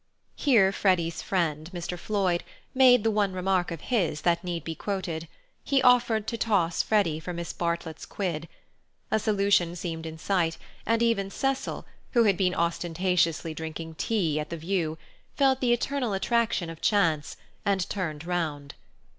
Here Freddy's friend, Mr. Floyd, made the one remark of his that need be quoted: he offered to toss Freddy for Miss Bartlett's quid. A solution seemed in sight, and even Cecil, who had been ostentatiously drinking his tea at the view, felt the eternal attraction of Chance, and turned round.